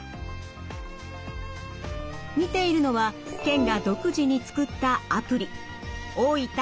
見ているのは県が独自に作ったアプリ。